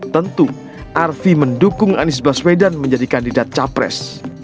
tentu arfi mendukung anies baswedan menjadi kandidat capres